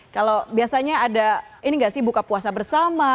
kalau biasanya ada ini nggak sih buka puasa bersama